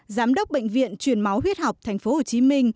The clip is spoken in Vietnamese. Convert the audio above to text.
giám đốc bệnh viện truyền máu huyết học tp hcm